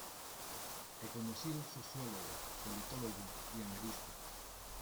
Reconocido sociólogo, politólogo y analista.